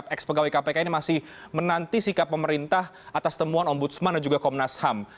ex pegawai kpk ini masih menanti sikap pemerintah atas temuan ombudsman dan juga komnas ham